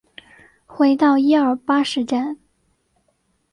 回到一二号巴士站